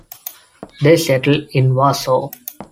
They settled in Warsaw.